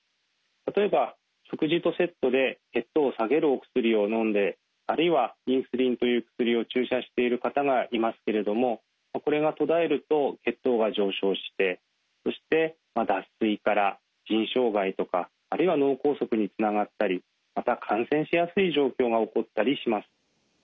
例えば食事とセットで血糖を下げるお薬をのんであるいはインスリンという薬を注射している方がいますけれどもこれが途絶えると血糖が上昇してそして脱水から腎障害とかあるいは脳梗塞につながったりまた感染しやすい状況が起こったりします。